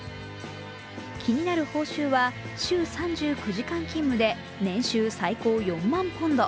気になる報酬は週３９時間勤務で年収最高４万ポンド。